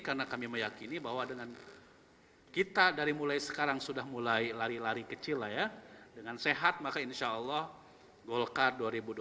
karena kami meyakini bahwa dengan kita dari mulai sekarang sudah mulai lari lari kecil lah ya dengan sehat maka insyaallah golkar dua ribu dua puluh empat